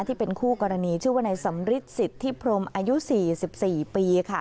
ที่เป็นคู่กรณีชื่อว่านายสำริทสิทธิพรมอายุ๔๔ปีค่ะ